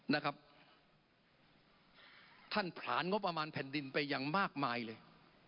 นะครับท่านผลานงบประมาณแผ่นดินไปอย่างมากมายเลย